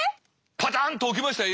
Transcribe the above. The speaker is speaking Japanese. パタンと置きましたよ